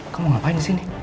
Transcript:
kamu ngapain disini